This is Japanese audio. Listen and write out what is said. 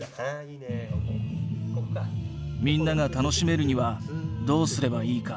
みんなが楽しめるにはどうすればいいか。